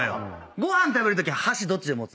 ご飯食べるときは箸どっちで持つ？